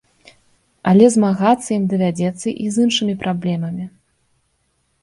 Але змагацца ім давядзецца і з іншымі праблемамі.